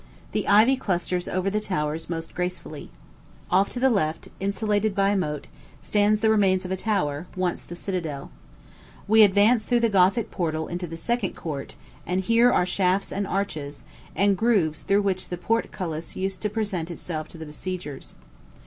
The ivy clusters over the towers most gracefully. Off to the left, insulated by a moat, stands the remains of a tower, once the citadel. We advance through the Gothic portal into the second court, and here are shafts and arches, and grooves through which the portcullis used to present itself to the besiegers.